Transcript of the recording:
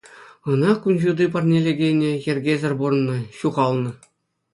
Ӑна кун ҫути парнелекенӗ йӗркесӗр пурӑннӑ, ҫухалнӑ.